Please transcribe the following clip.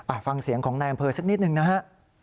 ฟังเสียงของนายอำเภอสักนิดหนึ่งนะฮะ